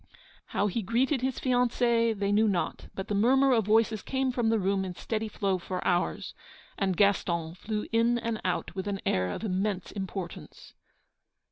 How he greeted his fiancée they knew not, but the murmur of voices came from the room in steady flow for hours, and Gaston flew in and out with an air of immense importance.